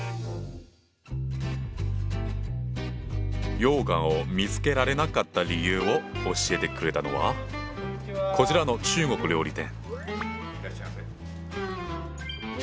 羊羹を見つけられなかった理由を教えてくれたのはこちらの中国料理店。